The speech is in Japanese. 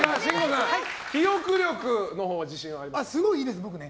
記憶力のほうは自信はありますか？